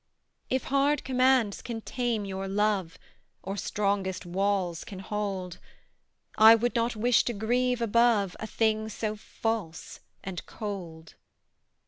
If hard commands can tame your love, Or strongest walls can hold, I would not wish to grieve above A thing so false and cold.